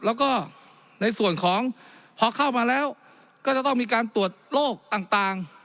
แล้วก็ในส่วนของพอเข้ามาแล้วก็จะต้องมีการตรวจโรคต่าง